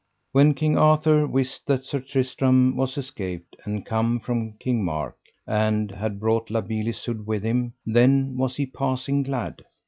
When King Arthur wist that Sir Tristram was escaped and come from King Mark, and had brought La Beale Isoud with him, then was he passing glad.